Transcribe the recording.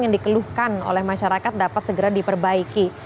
yang dikeluhkan oleh masyarakat dapat segera diperbaiki